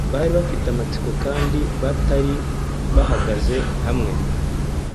bari bafite amatsiko kandi batari bahagaze hamwe,